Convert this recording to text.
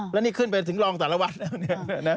แล้วนี่ขึ้นไปถึงรองสารวัตร